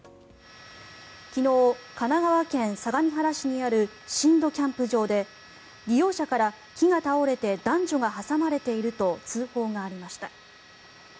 昨日、神奈川県相模原市にある新戸キャンプ場で利用者から木が倒れて男女が挟まれていると通報がありました。